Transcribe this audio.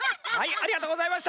ありがとうございます！